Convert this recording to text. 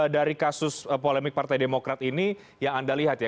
dari kasus polemik partai demokrat ini yang anda lihat ya